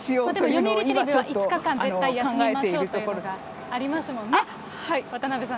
読売テレビは５日間休みましょうというのがありますもんね。